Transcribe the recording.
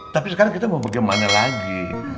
tapi sekarang kita mau bagaimana lagi